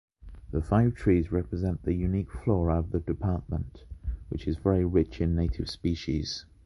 The five trees represent the unique flora of the department, which is very rich in native species.